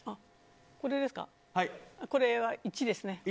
これは１ですね。